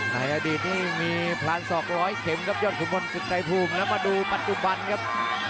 ในอดีตนี้มีพลานศอกร้อยเข็มครับยอดขุมพลศึกไทยภูมิแล้วมาดูปัจจุบันครับ